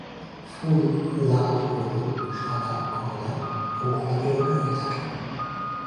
ফুল লাল, হলুদ, সাদা কমলা ও গোলাপি রঙের হয়ে থাকে।